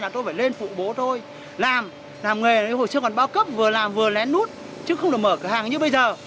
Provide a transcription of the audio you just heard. tôi phải lên phụ bố tôi làm làm nghề hồi xưa còn bao cấp vừa làm vừa lén nút chứ không được mở cửa hàng như bây giờ